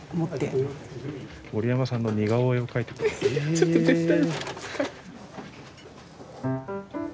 ちょっと絶対。